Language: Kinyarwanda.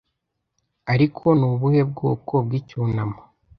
ariko ni ubuhe bwoko bw'icyunamo